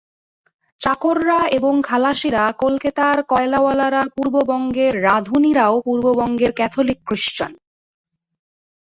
চাকররা এবং খালাসীরা কলকেতার, কয়লাওয়ালারা পূর্ববঙ্গের, রাঁধুনীরাও পূর্ববঙ্গের ক্যাথলিক ক্রিশ্চান।